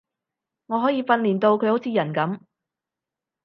我可以訓練到佢好似人噉